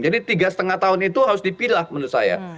jadi tiga lima tahun itu harus dipilih menurut saya